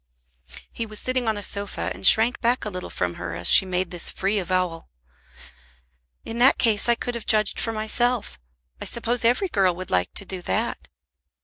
He was sitting on a sofa and shrank back a little from her as she made this free avowal. "In that case I could have judged for myself. I suppose every girl would like to do that."